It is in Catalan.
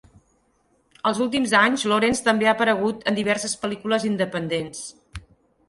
Els últims anys, Lawrence també ha aparegut en diverses pel·lícules independents.